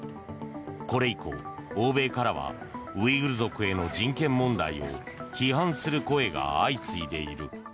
これ以降、欧米からはウイグル族への人権問題を批判する声が相次いでいる。